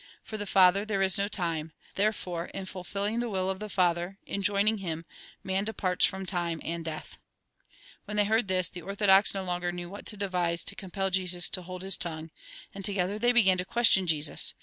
For the Father, tliere is no time ; therefore in fulfilling the will of the Father, in joining Him, man departs from time and death." When they heard this, the orthodox no longer knew what to devise to compel Jesus to hold his tongue; and together they began to question Jesus.